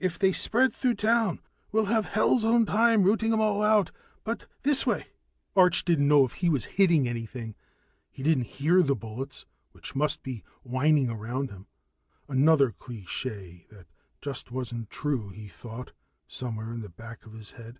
"If they spread through town, we'll have hell's own time routing 'em all out but this way " Arch didn't know if he was hitting anything. He didn't hear the bullets which must be whining around him another cliché that just wasn't true, he thought somewhere in the back of his head.